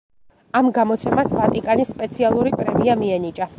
ამ გამოცემას ვატიკანის სპეციალური პრემია მიენიჭა.